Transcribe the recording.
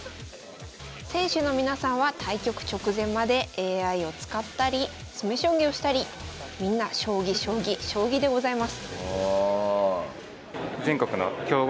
選手の皆さんは対局直前までＡＩを使ったり詰将棋をしたりみんな将棋将棋将棋でございます。